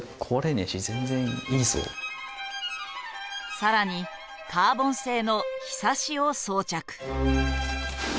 更にカーボン製のヒサシを装着。